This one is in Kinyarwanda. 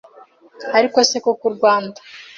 Ariko se koko Rwanda